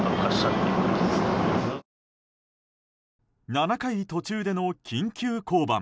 ７回途中での緊急降板。